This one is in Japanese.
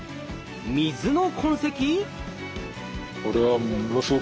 水の痕跡？